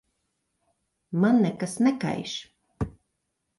Man nekas nekaiš.